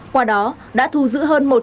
qua đó đã thu giữ hơn một